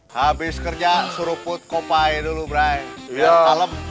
habis kerja suruh put kopai dulu brian biar kalem